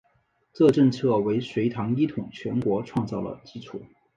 这政策为隋唐一统全国创造了基础。